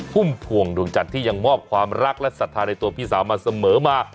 พุ่มพวงดวงจันทร์ที่ยังมอบความรักและศรัทธาในตัวพี่สาวมาเสมอมา